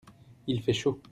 il fait chaud.